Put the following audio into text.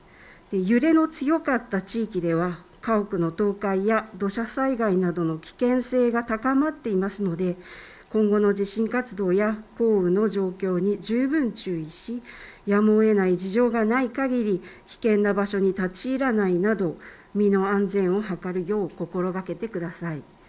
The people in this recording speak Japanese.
揺れの強かった地域では家屋の倒壊や土砂災害などの危険性が高まっていますので今後の地震活動や状況に十分注意し、やむをえない事情がないかぎり危険な場所に立ち入らないなど身の安全を図るよう心がけてください。